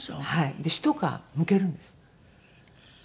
でひと皮むけるんです。